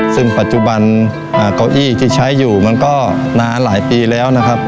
ซึ่งปัจจุบันเก้าอี้ที่ใช้อยู่มันก็นานหลายปีแล้วนะครับ